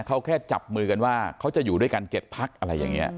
เขาแค่จับมือกันว่าเขาจะอยู่ด้วยกัน๗พักอะไรอย่างนี้